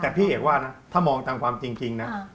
แต่พี่เอกว่านะถ้ามองตามความจริงนะ